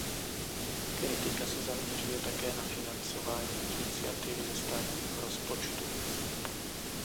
Kritika se zaměřuje také na financování iniciativy ze státního rozpočtu.